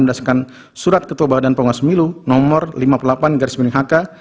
berdasarkan surat ketua badan penguasa pemilu nomor lima puluh delapan hk